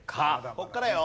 ここからよ。